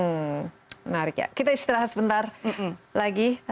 hmm menarik ya kita istirahat sebentar lagi